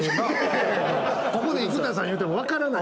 ここで生田さんいうても分からない。